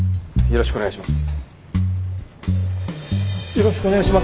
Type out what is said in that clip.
よろしくお願いします。